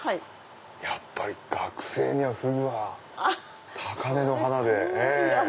やっぱり学生にはフグは高根の花で。